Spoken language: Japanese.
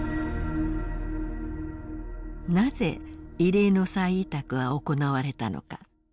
なぜ異例の再委託が行われたのか。